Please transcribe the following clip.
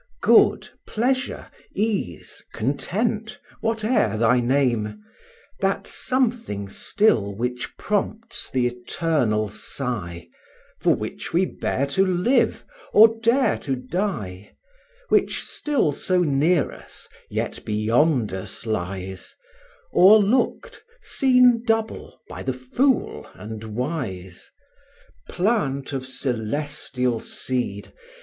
Good, pleasure, ease, content! whate'er thy name: That something still which prompts the eternal sigh, For which we bear to live, or dare to die, Which still so near us, yet beyond us lies, O'erlooked, seen double, by the fool, and wise. Plant of celestial seed!